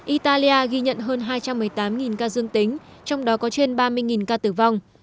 italia ghi nhận hơn hai trăm một mươi tám ca dương tính trong đó có trên ba mươi ca tử vong